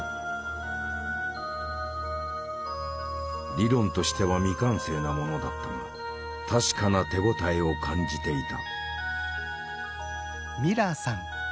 理論としては未完成なものだったが確かな手応えを感じていた。